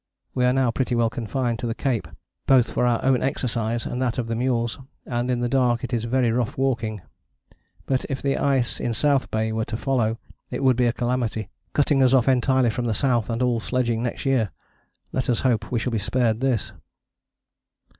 We are now pretty well confined to the cape both for our own exercise and that of the mules, and in the dark it is very rough walking. But if the ice in South Bay were to follow, it would be a calamity, cutting us off entirely from the south and all sledging next year. Let us hope we shall be spared this."